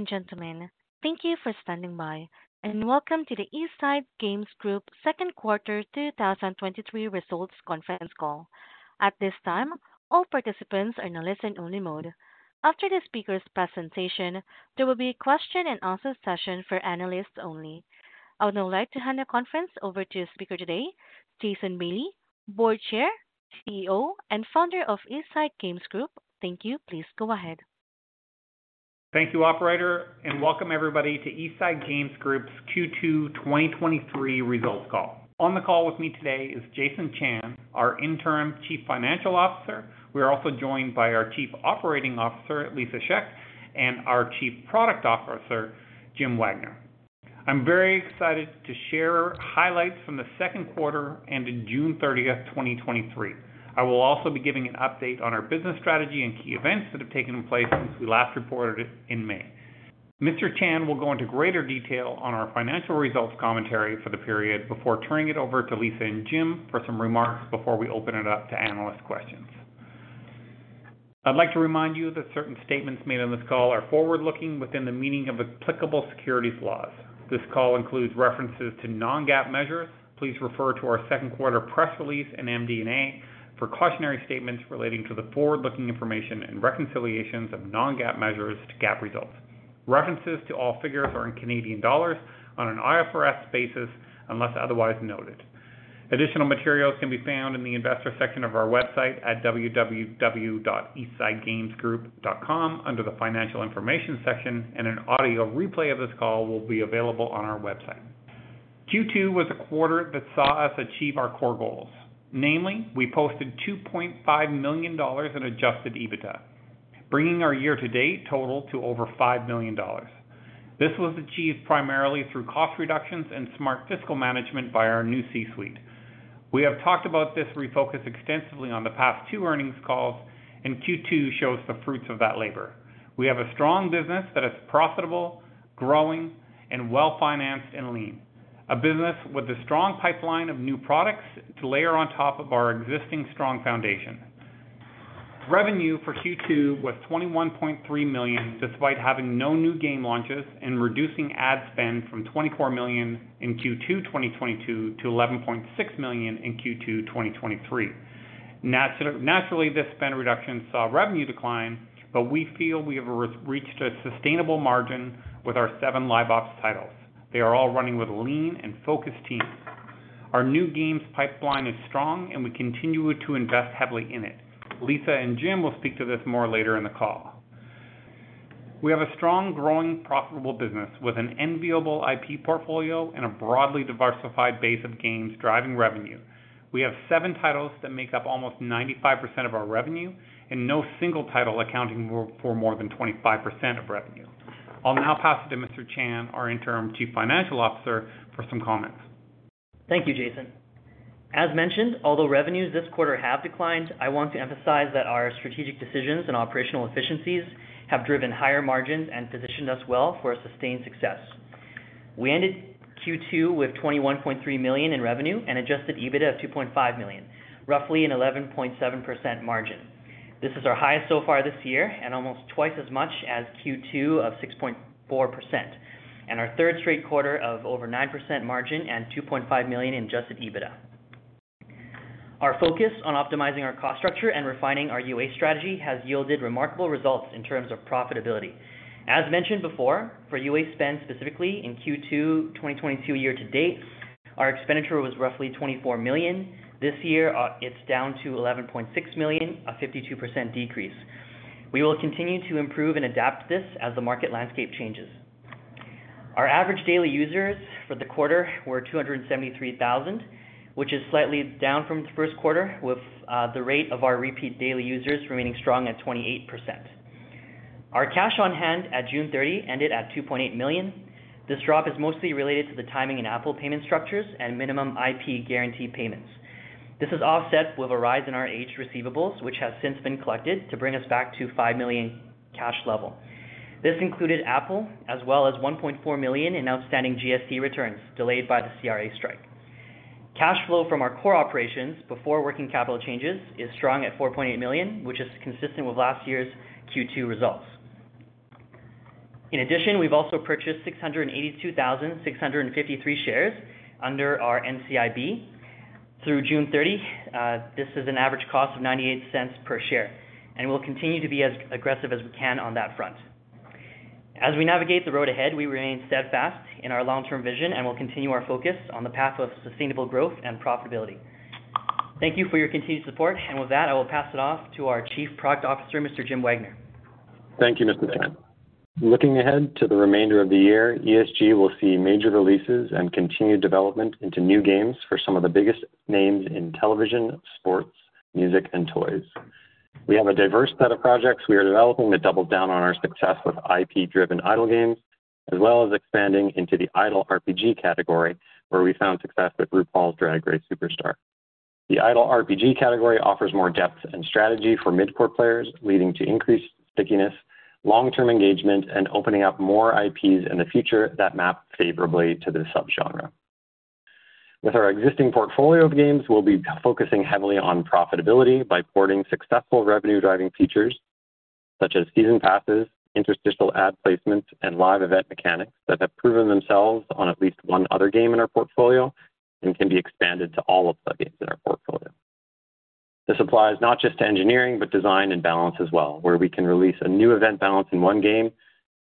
Ladies and gentlemen, thank you for standing by, and welcome to the East Side Games Group second quarter 2023 results conference call. At this time, all participants are in a listen-only mode. After the speaker's presentation, there will be a question and answer session for analysts only. I would now like to hand the conference over to the speaker today, Jason Bailey, Board Chair, CEO, and Founder of East Side Games Group. Thank you. Please go ahead. Thank you, operator, and welcome everybody to East Side Games Group's Q2 2023 results call. On the call with me today is Jason Chan, our Interim Chief Financial Officer. We are also joined by our Chief Operating Officer, Lisa Scheck, and our Chief Product Officer, Jim Wagner. I'm very excited to share highlights from the second quarter ending June 30, 2023. I will also be giving an update on our business strategy and key events that have taken place since we last reported in May. Mr. Chan will go into greater detail on our financial results commentary for the period before turning it over to Lisa and Jim for some remarks before we open it up to analyst questions. I'd like to remind you that certain statements made on this call are forward-looking within the meaning of applicable securities laws. This call includes references to non-GAAP measures. Please refer to our second quarter press release and MD&A for cautionary statements relating to the forward-looking information and reconciliations of non-GAAP measures to GAAP results. References to all figures are in Canadian dollars on an IFRS basis, unless otherwise noted. Additional materials can be found in the investor section of our website at www.eastsidegamesgroup.com under the Financial Information section, and an audio replay of this call will be available on our website. Q2 was a quarter that saw us achieve our core goals. Namely, we posted 2.5 million dollars in Adjusted EBITDA, bringing our year-to-date total to over 5 million dollars. This was achieved primarily through cost reductions and smart fiscal management by our new C-suite. We have talked about this refocus extensively on the past two earnings calls, and Q2 shows the fruits of that labor. We have a strong business that is profitable, growing, and well-financed and lean. A business with a strong pipeline of new products to layer on top of our existing strong foundation. Revenue for Q2 was CAD 21.3 million, despite having no new game launches and reducing ad spend from CAD 24 million in Q2 2022 to CAD 11.6 million in Q2 2023. This spend reduction saw revenue decline, but we feel we have re-reached a sustainable margin with our seven live ops titles. They are all running with lean and focused teams. Our new games pipeline is strong, and we continue to invest heavily in it. Lisa and Jim will speak to this more later in the call. We have a strong, growing, profitable business with an enviable IP portfolio and a broadly diversified base of games driving revenue. We have 7 titles that make up almost 95% of our revenue and no single title accounting more, for more than 25% of revenue. I'll now pass it to Mr. Chan, our interim Chief Financial Officer, for some comments. Thank you, Jason. As mentioned, although revenues this quarter have declined, I want to emphasize that our strategic decisions and operational efficiencies have driven higher margins and positioned us well for a sustained success. We ended Q2 with 21.3 million in revenue and Adjusted EBITDA of 2.5 million, roughly an 11.7% margin. This is our highest so far this year and almost twice as much as Q2 of 6.4%, and our third straight quarter of over 9% margin and 2.5 million in Adjusted EBITDA. Our focus on optimizing our cost structure and refining our UA strategy has yielded remarkable results in terms of profitability. As mentioned before, for UA spend, specifically in Q2 2022 year-to-date, our expenditure was roughly 24 million. This year, it's down to 11.6 million, a 52% decrease. We will continue to improve and adapt this as the market landscape changes. Our average daily users for the quarter were 273,000, which is slightly down from the first quarter, with the rate of our repeat daily users remaining strong at 28%. Our cash on hand at June 30 ended at 2.8 million. This drop is mostly related to the timing and Apple payment structures and minimum IP guarantee payments. This is offset with a rise in our age receivables, which has since been collected to bring us back to 5 million cash level. This included Apple, as well as 1.4 million in outstanding GST returns delayed by the CRA strike. Cash flow from our core operations before working capital changes, is strong at 4.8 million, which is consistent with last year's Q2 results. In addition, we've also purchased 682,653 shares under our NCIB through June 30. This is an average cost of 0.98 per share, and we'll continue to be as aggressive as we can on that front. As we navigate the road ahead, we remain steadfast in our long-term vision, and we'll continue our focus on the path of sustainable growth and profitability. Thank you for your continued support. With that, I will pass it off to our Chief Product Officer, Mr. Jim Wagner. Thank you, Mr. Chan. Looking ahead to the remainder of the year, ESG will see major releases and continued development into new games for some of the biggest names in television, sports, music, and toys. We have a diverse set of projects we are developing that double down on our success with IP-driven idle games, as well as expanding into the idle RPG category, where we found success with RuPaul's Drag Race Superstar. The idle RPG category offers more depth and strategy for mid-core players, leading to increased stickiness, long-term engagement, and opening up more IPs in the future that map favorably to this subgenre. With our existing portfolio of games, we'll be focusing heavily on profitability by porting successful revenue-driving features such as season passes, interstitial ad placements, and live event mechanics that have proven themselves on at least 1 other game in our portfolio and can be expanded to all of the games in our portfolio. This applies not just to engineering, but design and balance as well, where we can release a new event balance in 1 game,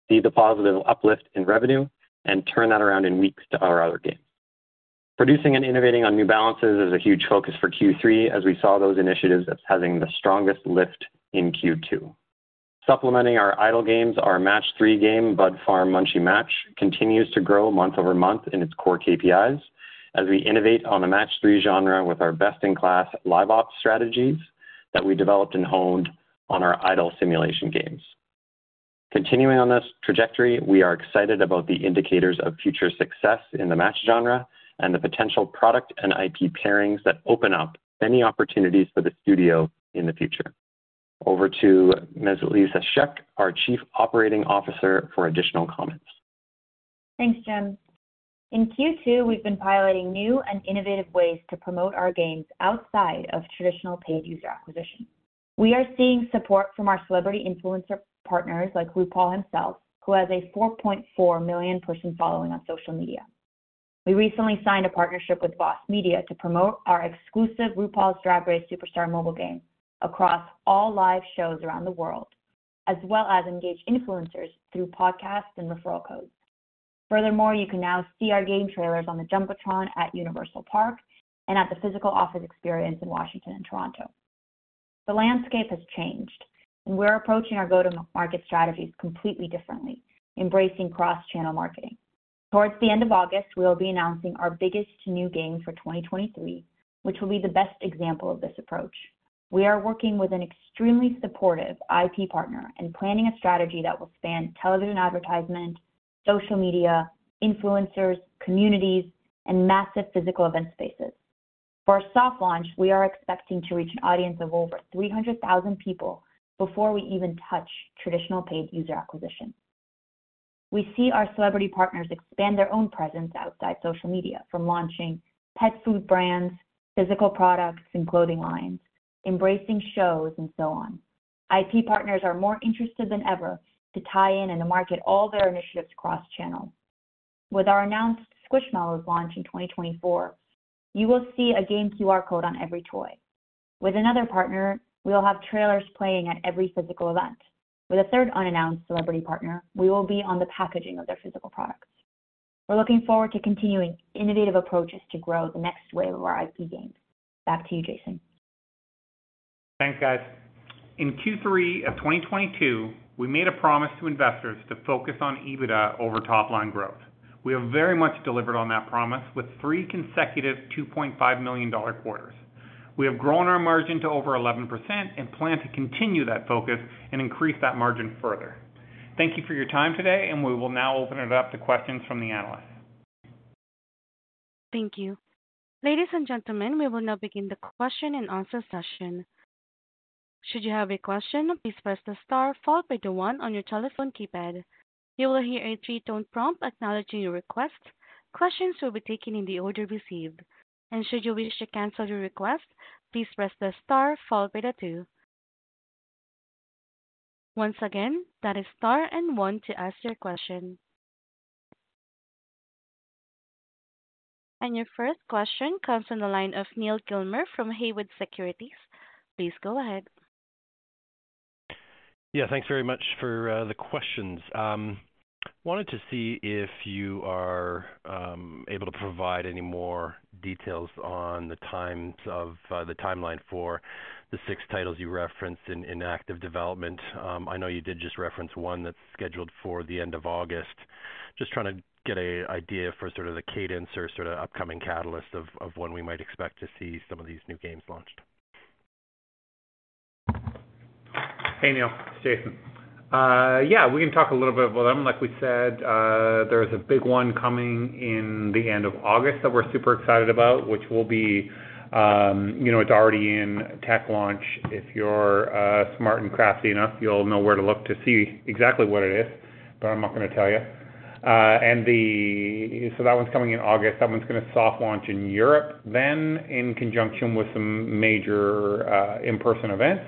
see the positive uplift in revenue, and turn that around in weeks to our other games. Producing and innovating on new balances is a huge focus for Q3 as we saw those initiatives as having the strongest lift in Q2. Supplementing our idle games, our Match-3 game, Bud Farm: Munchie Match, continues to grow month-over-month in its core KPIs as we innovate on the Match-3 genre with our best-in-class LiveOps strategies that we developed and honed on our idle simulation games. Continuing on this trajectory, we are excited about the indicators of future success in the Match-3 genre and the potential product and IP pairings that open up many opportunities for the studio in the future. Over to Ms. Lisa Scheck, our Chief Operating Officer, for additional comments. Thanks, Jim. In Q2, we've been piloting new and innovative ways to promote our games outside of traditional paid user acquisition. We are seeing support from our celebrity influencer partners, like RuPaul himself, who has a 4.4 million person following on social media. We recently signed a partnership with Voss Events to promote our exclusive RuPaul's Drag Race Superstar mobile game across all live shows around the world, as well as engage influencers through podcasts and referral codes. You can now see our game trailers on the Jumbotron at Universal Park and at the physical The Office Experience in Washington and Toronto. The landscape has changed, and we're approaching our go-to-market strategies completely differently, embracing cross-channel marketing. Towards the end of August, we will be announcing our biggest new game for 2023, which will be the best example of this approach. We are working with an extremely supportive IP partner and planning a strategy that will span television advertisement, social media, influencers, communities, and massive physical event spaces. For our soft launch, we are expecting to reach an audience of over 300,000 people before we even touch traditional paid user acquisition. We see our celebrity partners expand their own presence outside social media, from launching pet food brands, physical products and clothing lines, embracing shows, and so on. IP partners are more interested than ever to tie in and to market all their initiatives cross-channel. With our announced Squishmallows launch in 2024, you will see a game QR code on every toy. With another partner, we will have trailers playing at every physical event. With a third unannounced celebrity partner, we will be on the packaging of their physical products. We're looking forward to continuing innovative approaches to grow the next wave of our IP games. Back to you, Jason. Thanks, guys. In Q3 of 2022, we made a promise to investors to focus on EBITDA over top-line growth. We have very much delivered on that promise with 3 consecutive 2.5 million dollar quarters. We have grown our margin to over 11% and plan to continue that focus and increase that margin further. Thank you for your time today, and we will now open it up to questions from the analysts. Thank you. Ladies and gentlemen, we will now begin the question and answer session. Should you have a question, please press the star followed by the 1 on your telephone keypad. You will hear a 3-tone prompt acknowledging your request. Questions will be taken in the order received, and should you wish to cancel your request, please press the star followed by the 2. Once again, that is star and 1 to ask your question. Your 1st question comes from the line of Neil Gilmer from Haywood Securities. Please go ahead. Yeah, thanks very much for the questions. Wanted to see if you are able to provide any more details on the times of the timeline for the 6 titles you referenced in active development? I know you did just reference 1 that's scheduled for the end of August. Just trying to get a idea for sort of the cadence or sort of upcoming catalyst of when we might expect to see some of these new games launched. Hey, Neil. Jason. Yeah, we can talk a little bit about them. Like we said, there's a big one coming in the end of August that we're super excited about, which will be, you know, it's already in tech launch. If you're smart and crafty enough, you'll know where to look to see exactly what it is, I'm not going to tell you. That one's coming in August. That one's going to soft launch in Europe, then in conjunction with some major in-person events,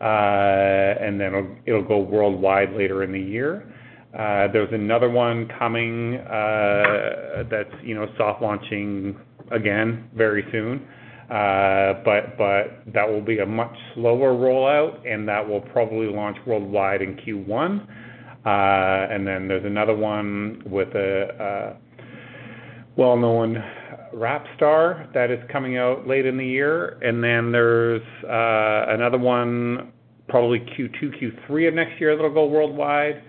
then it'll, it'll go worldwide later in the year. There's another one coming, that's, you know, soft launching again very soon, but that will be a much slower rollout, that will probably launch worldwide in Q1. Then there's another one with a, a well-known rap star that is coming out late in the year. Then there's another one, probably Q2, Q3 of next year, that'll go worldwide.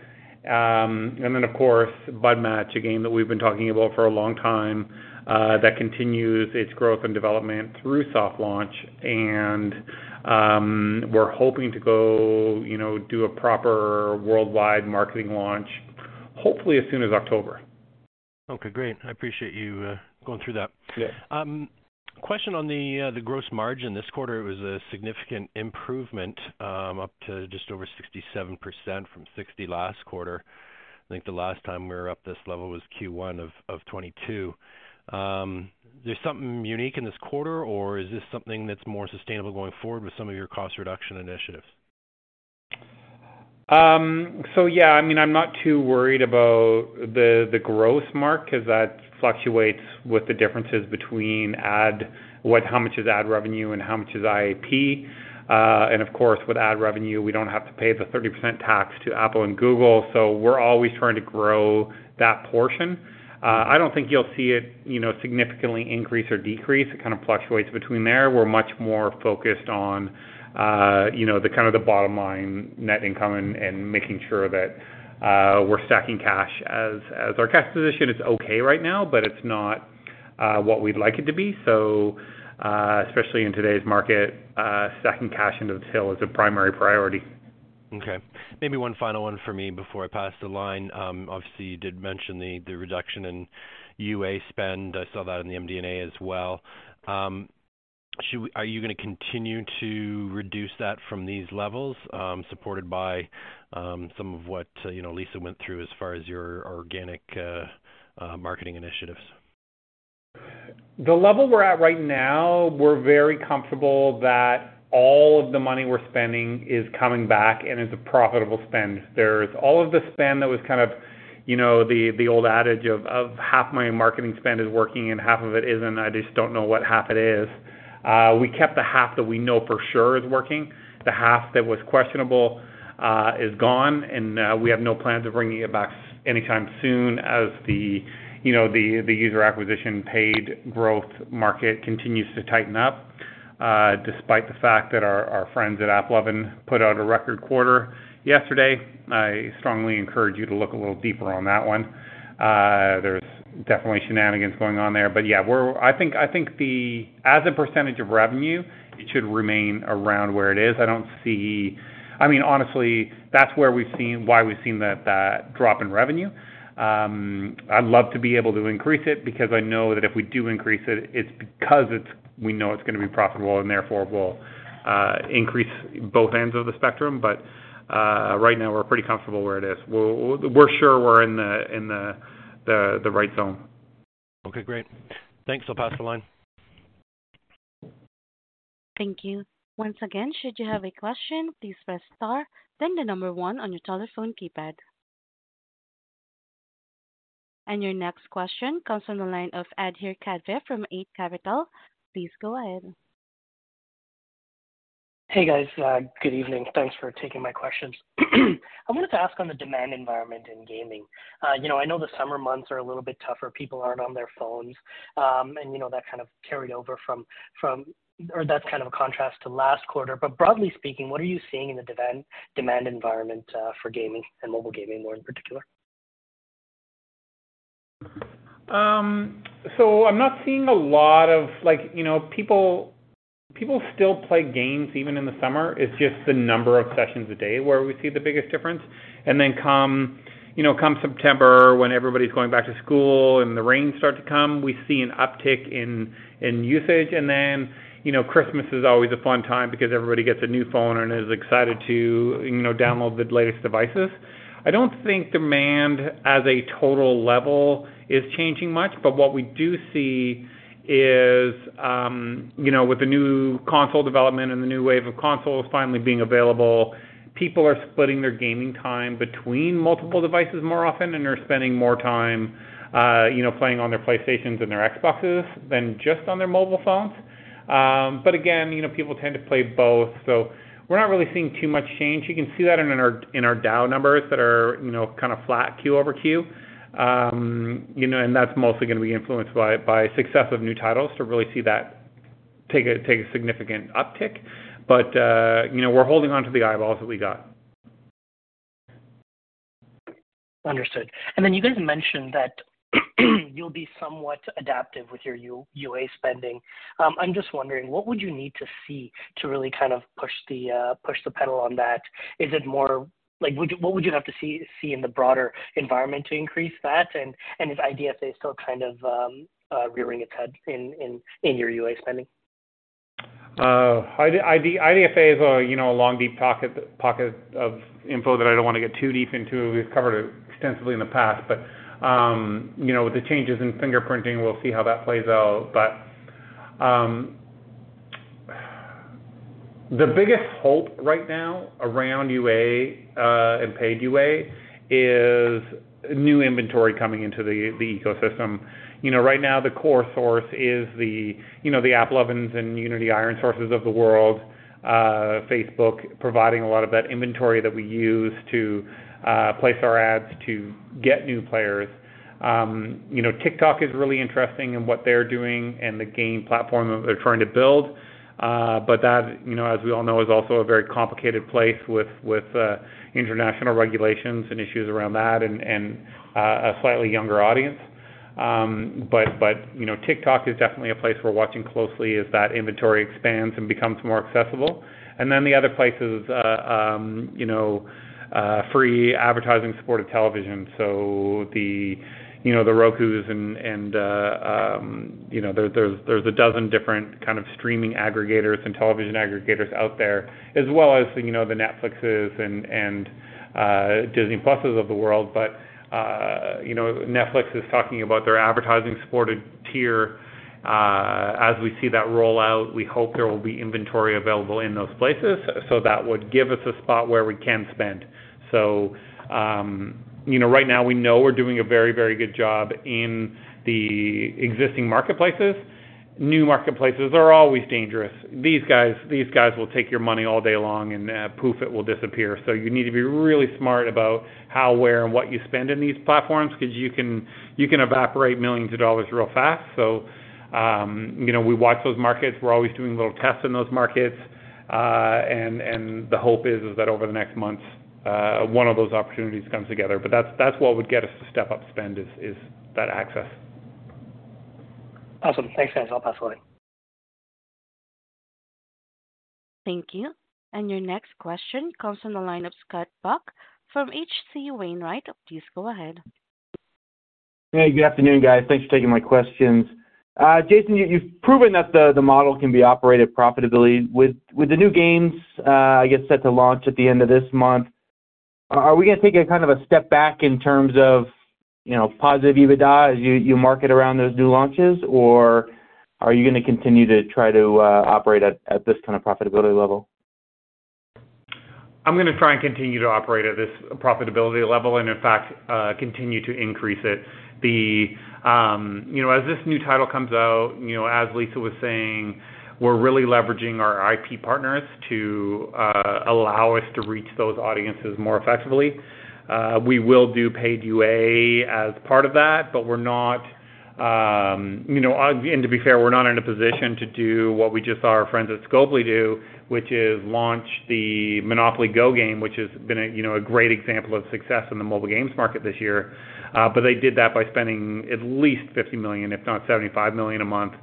Then, of course, Bud Match, a game that we've been talking about for a long time, that continues its growth and development through soft launch. We're hoping to go, you know, do a proper worldwide marketing launch, hopefully as soon as October. Okay, great. I appreciate you going through that. Yeah. A question on the gross margin. This quarter was a significant improvement, up to just over 67% from 60% last quarter. I think the last time we were up this level was Q1 of 2022. There's something unique in this quarter, or is this something that's more sustainable going forward with some of your cost reduction initiatives? Yeah, I mean, I'm not too worried about the, the growth mark, because that fluctuates with the differences between ad-- what, how much is ad revenue and how much is IAP. Of course, with ad revenue, we don't have to pay the 30% tax to Apple and Google, so we're always trying to grow that portion. I don't think you'll see it, you know, significantly increase or decrease. It kind of fluctuates between there. We're much more focused on, you know, the kind of the bottom line, net income and, and making sure that, we're stacking cash as, as our cash position is okay right now, but it's not, what we'd like it to be. Especially in today's market, stacking cash into the hill is a primary priority. Okay. Maybe one final one for me before I pass the line. Obviously, you did mention the, the reduction in UA spend. I saw that in the MD&A as well. Are you going to continue to reduce that from these levels, supported by some of what, you know, Lisa went through as far as your organic marketing initiatives? The level we're at right now, we're very comfortable that all of the money we're spending is coming back and is a profitable spend. There's all of the spend that was kind of, you know, the, the old adage of, of half my marketing spend is working and half of it isn't, I just don't know what half it is. We kept the half that we know for sure is working. The half that was questionable is gone, and we have no plans of bringing it back anytime soon as the, you know, the, the user acquisition, paid growth market continues to tighten up, despite the fact that our, our friends at AppLovin put out a record quarter yesterday. I strongly encourage you to look a little deeper on that one. There's definitely shenanigans going on there. Yeah, we're I think, I think the, as a percentage of revenue, it should remain around where it is. I don't see. I mean, honestly, that's where we've seen why we've seen that, that drop in revenue. I'd love to be able to increase it because I know that if we do increase it, it's because it's, we know it's going to be profitable and therefore will increase both ends of the spectrum. Right now, we're pretty comfortable where it is. We'll we're sure we're in the, in the, the, the right zone. Okay, great. Thanks. I'll pass the line. Thank you. Once again, should you have a question, please press star, then the 1 on your telephone keypad. Your next question comes from the line of Adhir Kadve from Eight Capital. Please go ahead. Hey, guys, good evening. Thanks for taking my questions. I wanted to ask on the demand environment in gaming. You know, I know the summer months are a little bit tougher. People aren't on their phones, and, you know, that kind of carried over from, from, or that's kind of a contrast to last quarter. Broadly speaking, what are you seeing in the demand environment, for gaming and mobile gaming, more in particular? I'm not seeing a lot of like, you know, people, people still play games even in the summer. It's just the number of sessions a day where we see the biggest difference. Come, you know, come September, when everybody's going back to school and the rain start to come, we see an uptick in, in usage. You know, Christmas is always a fun time because everybody gets a new phone and is excited to, you know, download the latest devices. I don't think demand as a total level is changing much, but what we do see is, you know, with the new console development and the new wave of consoles finally being available, people are splitting their gaming time between multiple devices more often, and they're spending more time, you know, playing on their PlayStations and their Xboxes than just on their mobile phones. Again, you know, people tend to play both, so we're not really seeing too much change. You can see that in our, in our DAU numbers that are, you know, kind of flat quarter-over-quarter. You know, that's mostly going to be influenced by, by success of new titles to really see that take a, take a significant uptick. You know, we're holding on to the eyeballs that we got. Understood. Then you guys mentioned that, you'll be somewhat adaptive with your UA spending. I'm just wondering, what would you need to see to really kind of push the push the pedal on that? Is it more like, what would you have to see, see in the broader environment to increase that? Is IDFA still kind of rearing its head in, in, in your UA spending? IDFA is a, you know, a long, deep pocket of info that I don't want to get too deep into. We've covered it extensively in the past, but, you know, with the changes in fingerprinting, we'll see how that plays out. The biggest hope right now around UA and paid UA is new inventory coming into the ecosystem. You know, right now, the core source is, you know, the AppLovins and Unity ironSource of the world, Facebook, providing a lot of that inventory that we use to place our ads to get new players. You know, TikTok is really interesting in what they're doing and the game platform that they're trying to build. That, you know, as we all know, is also a very complicated place with, with international regulations and issues around that and a slightly younger audience. But, you know, TikTok is definitely a place we're watching closely as that inventory expands and becomes more accessible. Then the other place is, you know, free advertising support of television. The, you know, the Rokus and, and, you know, there, there's, there's a 12 different kind of streaming aggregators and television aggregators out there, as well as, you know, the Netflixes and, and, Disney+s of the world. You know, Netflix is talking about their advertising supported tier. As we see that roll out, we hope there will be inventory available in those places, that would give us a spot where we can spend. You know, right now we know we're doing a very, very good job in the existing marketplaces. New marketplaces are always dangerous. These guys, these guys will take your money all day long, and, poof! It will disappear. You need to be really smart about how, where, and what you spend in these platforms, because you can, you can evaporate millions of dollars real fast. You know, we watch those markets. We're always doing little tests in those markets. The hope is, is that over the next months, one of those opportunities comes together. That's, that's what would get us to step up spend, is, is that access. Awesome. Thanks, guys. I'll pass it away. Thank you. Your next question comes from the line of Scott Buck from H.C. Wainwright. Please go ahead. Hey, good afternoon, guys. Thanks for taking my questions. Jason, you, you've proven that the, the model can be operated profitably. With, with the new games, I guess, set to launch at the end of this month, are, are we gonna take a kind of a step back in terms of, you know, positive EBITDA as you, you market around those new launches? Or are you gonna continue to try to operate at, at this kind of profitability level? I'm gonna try and continue to operate at this profitability level, and in fact, continue to increase it. The, you know, as this new title comes out, you know, as Lisa was saying, we're really leveraging our IP partners to allow us to reach those audiences more effectively. We will do paid UA as part of that, but we're not, you know, and to be fair, we're not in a position to do what we just saw our friends at Scopely do, which is launch the MONOPOLY GO! game, which has been a, you know, a great example of success in the mobile games market this year. But they did that by spending at least 50 million, if not 75 million a month,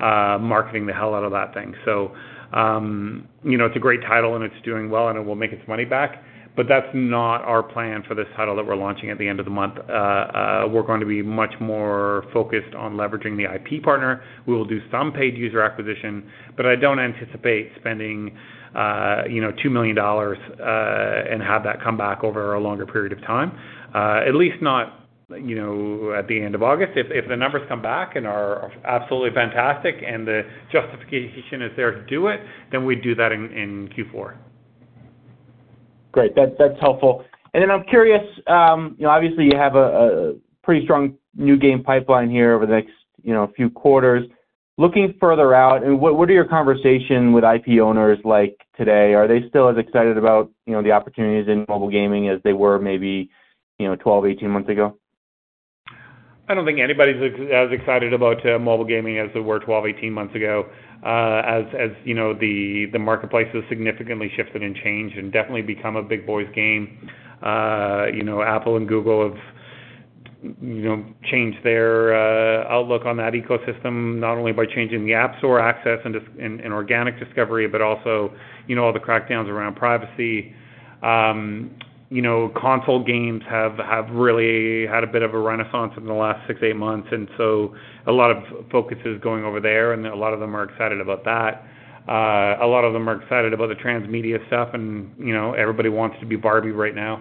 marketing the hell out of that thing. You know, it's a great title and it's doing well, and it will make its money back, but that's not our plan for this title that we're launching at the end of the month. We're going to be much more focused on leveraging the IP partner. We will do some paid user acquisition, but I don't anticipate spending, you know, 2 million dollars, and have that come back over a longer period of time. At least not, you know, at the end of August. If, if the numbers come back and are, are absolutely fantastic and the justification is there to do it, then we'd do that in, in Q4. Great. That's, that's helpful. I'm curious, you know, obviously, you have a, a pretty strong new game pipeline here over the next, you know, few quarters. Looking further out, what, what are your conversation with IP owners like today? Are they still as excited about, you know, the opportunities in mobile gaming as they were maybe, you know, 12, 18 months ago? I don't think anybody's as excited about mobile gaming as they were 12, 18 months ago. As, as you know, the, the marketplace has significantly shifted and changed and definitely become a big boys game. You know, Apple and Google have, you know, changed their outlook on that ecosystem, not only by changing the App Store access and organic discovery, but also, you know, all the crackdowns around privacy. You know, console games have, have really had a bit of a renaissance in the last six, eight months, and so a lot of focus is going over there, and a lot of them are excited about that. A lot of them are excited about the transmedia stuff and, you know, everybody wants to be Barbie right now.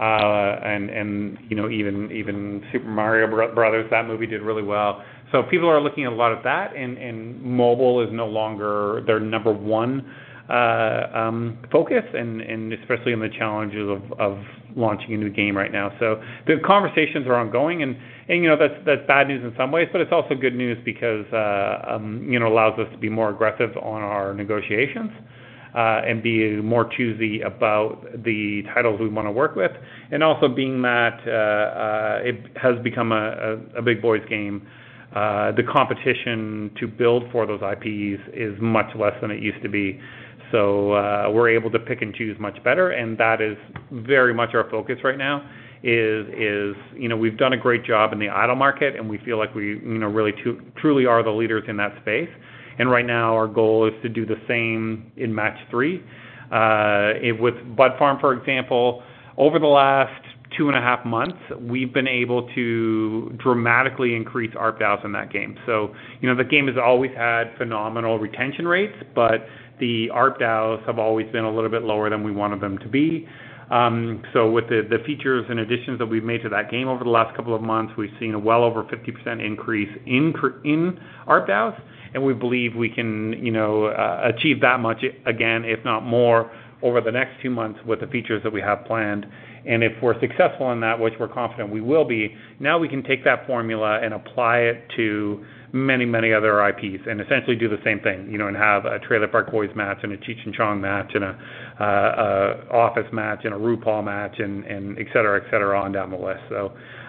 You know, even, even The Super Mario Bros. Movie, that movie did really well. People are looking at a lot of that, and mobile is no longer their number one focus and especially in the challenges of launching a new game right now. The conversations are ongoing and, you know, that's, that's bad news in some ways, but it's also good news because it allows us to be more aggressive on our negotiations and be more choosy about the titles we wanna work with. Also being that it has become a big boys game, the competition to build for those IPs is much less than it used to be. We're able to pick and choose much better, and that is very much our focus right now. You know, we've done a great job in the idle market, and we feel like we, you know, really truly are the leaders in that space. Right now, our goal is to do the same in Match-3. With Bud Farm, for example, over the last 2.5 months, we've been able to dramatically increase ARPDAUs in that game. You know, the game has always had phenomenal retention rates, but the ARPDAUs have always been a little bit lower than we wanted them to be. With the features and additions that we've made to that game over the last couple of months, we've seen a well over 50% increase in ARPDAUs, and we believe we can, you know, achieve that much again, if not more, over the next few months with the features that we have planned. If we're successful in that, which we're confident we will be, now we can take that formula and apply it to many, many other IPs and essentially do the same thing, you know, and have a Trailer Park Boys match, and a Cheech & Chong match, and a Office match, and a RuPaul match, and, and et cetera, et cetera, on down the list.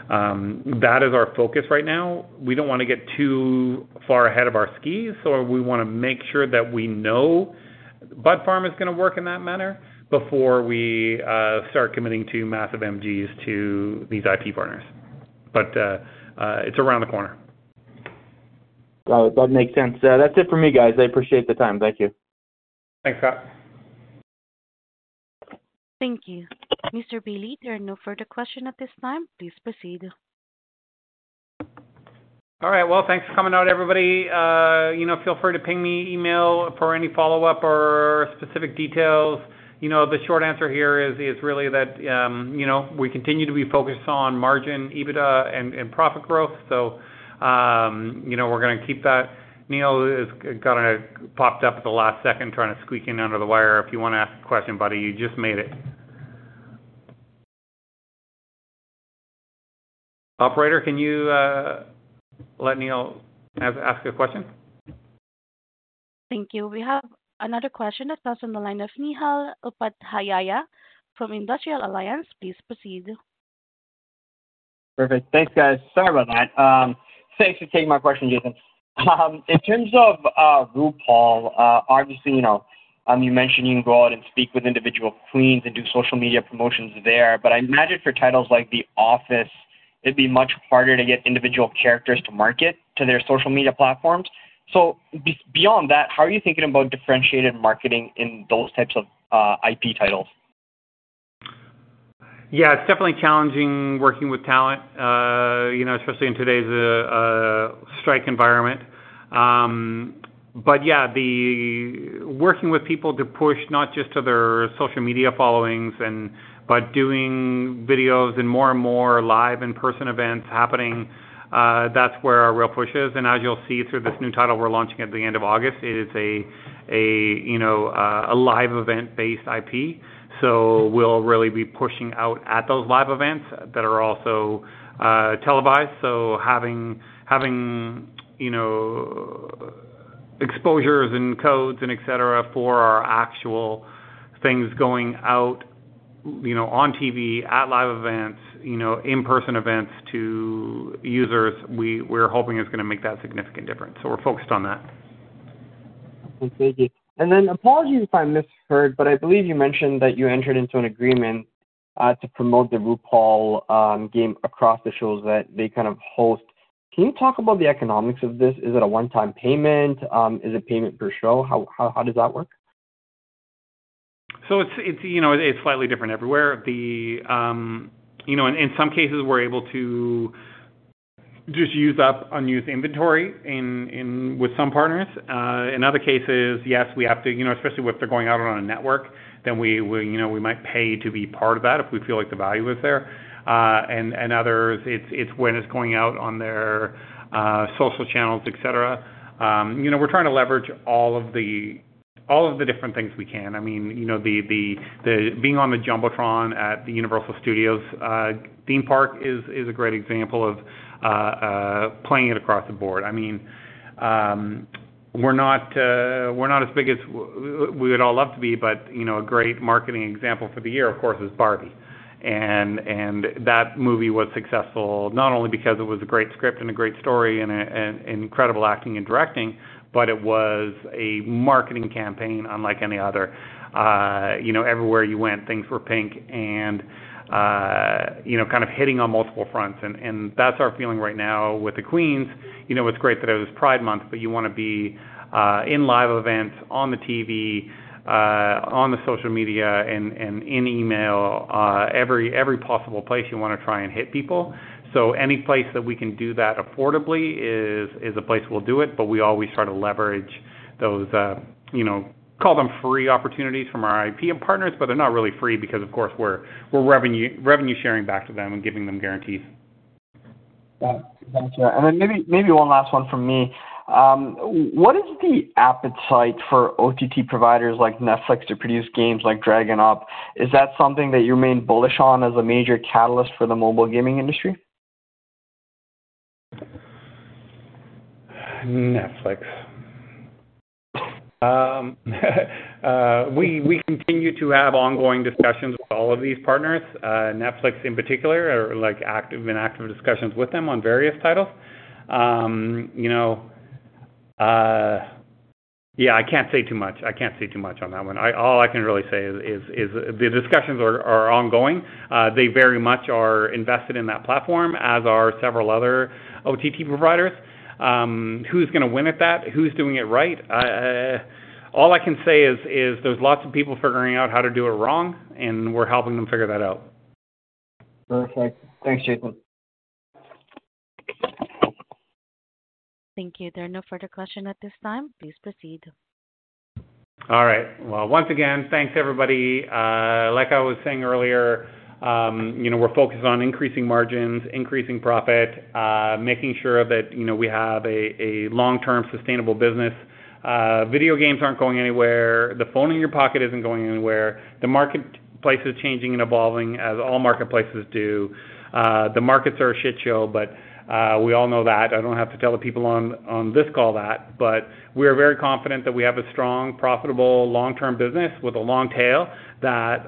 That is our focus right now. We don't wanna get too far ahead of our skis, so we wanna make sure that we know Bud Farm is gonna work in that manner before we start committing to massive MGs to these IP partners. It's around the corner. Well, that makes sense. That's it for me, guys. I appreciate the time. Thank you. Thanks, Scott. Thank you. Mr. Bailey, there are no further question at this time. Please proceed. All right. Well, thanks for coming out, everybody. You know, feel free to ping me email for any follow-up or specific details. You know, the short answer here is, is really that, you know, we continue to be focused on margin, EBITDA, and, and profit growth. You know, we're gonna keep that. Neil, is kinda popped up at the last second trying to squeak in under the wire. If you wanna ask a question, buddy, you just made it. Operator, can you let Neil ask a question? Thank you. We have another question that's on the line of Neehal Upadhyaya from Industrial Alliance. Please proceed. Perfect. Thanks, guys. Sorry about that. Thanks for taking my question, Jason. In terms of RuPaul, obviously, you know, you mentioned you can go out and speak with individual queens and do social media promotions there, but I imagine for titles like The Office, it'd be much harder to get individual characters to market to their social media platforms. Beyond that, how are you thinking about differentiated marketing in those types of IP titles? Yeah, it's definitely challenging working with talent, you know, especially in today's strike environment. Yeah, the working with people to push not just to their social media followings and by doing videos and more and more live in-person events happening, that's where our real push is. And as you'll see through this new title we're launching at the end of August, it is a, a, you know, a live event-based IP. We'll really be pushing out at those live events that are also televised. Having, having, you know, exposures and codes and et cetera, for our actual things going out, you know, on TV, at live events, you know, in-person events to users, we're hoping it's gonna make that significant difference. We're focused on that. Thank you. Apologies if I misheard, but I believe you mentioned that you entered into an agreement, to promote the RuPaul game across the shows that they kind of host. Can you talk about the economics of this? Is it a one-time payment? Is it payment per show? How, how does that work? It's, it's, you know, it's slightly different everywhere. The, you know, in, in some cases, we're able to just use up unused inventory in, in with some partners. In other cases, yes, we have to, you know, especially if they're going out on a network, then we, we, you know, we might pay to be part of that if we feel like the value is there. And, and others, it's, it's when it's going out on their social channels, et cetera. You know, we're trying to leverage all of the, all of the different things we can. I mean, you know, the, the, the being on the Jumbotron at the Universal Studios theme park is, is a great example of, playing it across the board. I mean, we're not, we're not as big as we would all love to be, but, you know, a great marketing example for the year, of course, is Barbie. That movie was successful not only because it was a great script and a great story and an incredible acting and directing, but it was a marketing campaign unlike any other. You know, everywhere you went, things were pink and, you know, kind of hitting on multiple fronts, that's our feeling right now with the Queens. You know, it's great that it was Pride Month, but you wanna be in live events, on the TV, on the social media and in email, every, every possible place you wanna try and hit people. Any place that we can do that affordably is, is a place we'll do it, but we always try to leverage those, you know, call them free opportunities from our IP partners, but they're not really free because, of course, we're, we're revenue, revenue sharing back to them and giving them guarantees. Got it. Got you. Then maybe, maybe one last one from me. What is the appetite for OTT providers like Netflix to produce games like Dragon Up!? Is that something that you remain bullish on as a major catalyst for the mobile gaming industry? Netflix. We, we continue to have ongoing discussions with all of these partners. Netflix in particular, are like active, been active in discussions with them on various titles. You know, yeah, I can't say too much. I can't say too much on that one. All I can really say is, is, is the discussions are, are ongoing. They very much are invested in that platform, as are several other OTT providers. Who's gonna win at that? Who's doing it right? All I can say is, is there's lots of people figuring out how to do it wrong, and we're helping them figure that out. Perfect. Thanks, Jason. Thank you. There are no further question at this time. Please proceed. All right. Well, once again, thanks, everybody. Like I was saying earlier, you know, we're focused on increasing margins, increasing profit, making sure that, you know, we have a, a long-term sustainable business. Video games aren't going anywhere. The phone in your pocket isn't going anywhere. The marketplace is changing and evolving as all marketplaces do. The markets are a shit show, we all know that. I don't have to tell the people on, on this call that, but we are very confident that we have a strong, profitable, long-term business with a long tail, that,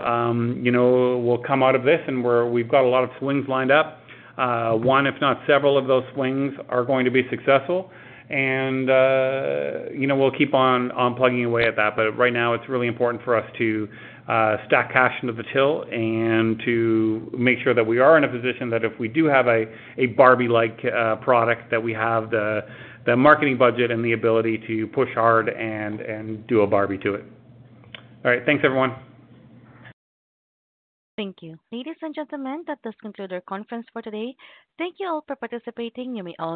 you know, will come out of this, and we've got a lot of swings lined up. One, if not several of those swings are going to be successful. You know, we'll keep on, on plugging away at that. Right now, it's really important for us to stack cash into the till and to make sure that we are in a position that if we do have a, a Barbie-like product, that we have the, the marketing budget and the ability to push hard and, and do a Barbie to it. All right. Thanks, everyone. Thank you. Ladies and gentlemen, that does conclude our conference for today. Thank you all for participating. You may all disconnect.